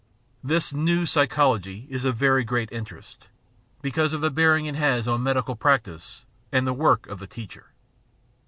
This "new" psychology is of very great interest, because of the bearing it has on medical practice and the work of the teacher.